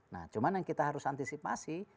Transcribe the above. nah cuman yang kita harus antisipasi